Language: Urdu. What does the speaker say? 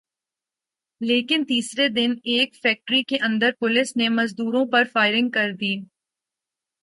لیکن تیسرے دن ایک فیکٹری کے اندر پولیس نے مزدوروں پر فائرنگ کر دی